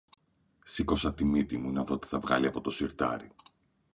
Σήκωσα τη μύτη μου να δω τι θα βγάλει από το συρτάρι